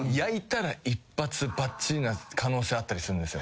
ばっちりな可能性あったりするんですよ。